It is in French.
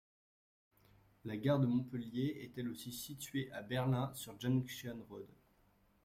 La gare de Montpelier est elle aussi située à Berlin sur Junction Road.